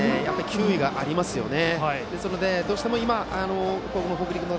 球威がありますよね。